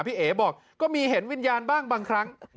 พี่เอ๋บอกก็มีเห็นวิญญาณบ้างบางครั้ง